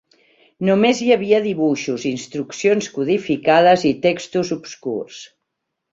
Només hi havia dibuixos, instruccions codificades i textos obscurs.